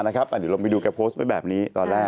เดี๋ยวลองไปดูแกโพสต์ไว้แบบนี้ตอนแรก